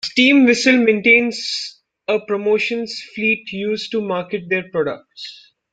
Steam Whistle maintains a promotions fleet used to market their products.